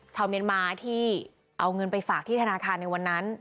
ชาวเมียนมาที่เอาเงินไปฝากที่ธนาคารในวันนั้น